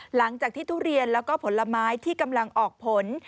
หลังจากที่ทุเรียนแล้วก็ผลไม้ที่กำลังออกผล